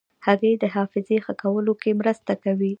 هګۍ د حافظې ښه کولو کې مرسته کوي.